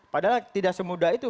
padahal tidak semudah itu